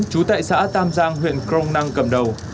trú tại xã tam giang huyện crong năng cầm đầu